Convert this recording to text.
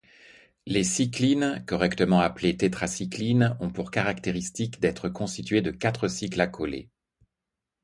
Les cyclines, correctement appelées tétracyclines, ont pour caractéristique d'être constituées de quatre cycles accolés.